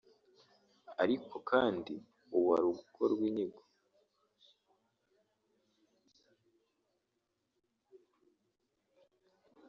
ariko kandi ubu hari gukorwa inyigo